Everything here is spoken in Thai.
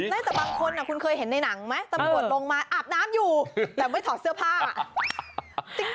ได้แต่บางคนคุณเคยเห็นในหนังไหมตำรวจลงมาอาบน้ำอยู่แต่ไม่ถอดเสื้อผ้า